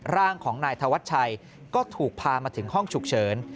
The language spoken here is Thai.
ร่างของนายธวัชชัยก็ถูกพามาถึงห้องฉุกเฉิน